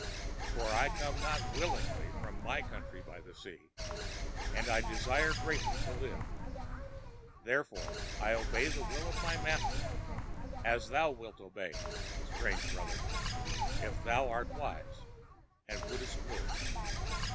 For I come not willingly from my country by the sea, and I desire greatly to live; wherefore I obey the will of my master—as thou wilt obey, strange brother, if thou art wise, and wouldst live."